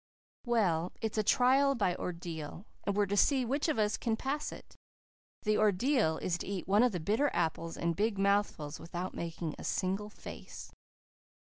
"Well, it's a trial by ordeal, and we're to see which of us can pass it. The ordeal is to eat one of the bitter apples in big mouthfuls without making a single face."